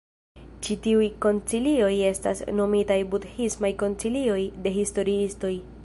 Ĉi tiuj koncilioj estas nomitaj "budhismaj koncilioj" de historiistoj.